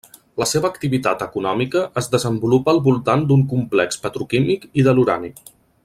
La seva activitat econòmica es desenvolupa al voltant d'un complex petroquímic i de l'urani.